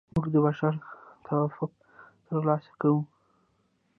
موږ د بشر توافق ترلاسه کوو.